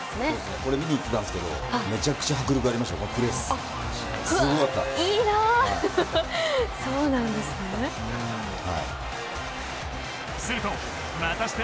これ見に行ってたんですけめちゃくちゃ迫力ありました。